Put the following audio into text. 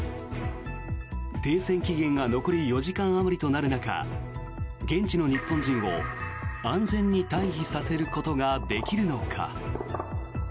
停戦期限が残り４時間あまりとなる中現地の日本人を安全に退避させることができるのか。